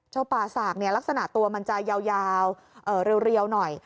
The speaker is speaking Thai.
ป่าสากลักษณะตัวมันจะยาวเรียวหน่อย